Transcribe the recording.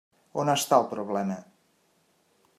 On està el problema?